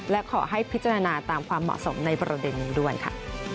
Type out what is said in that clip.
และขอให้พิจารณาตามความเหมาะสมในประเด็นนี้ด้วยค่ะ